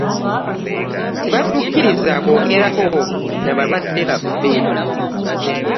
Tebaatukkirizza kwogerako na balwadde baffe.